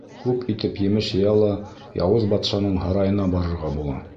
Күп итеп емеш йыя ла яуыз батшаның һарайына барырға була.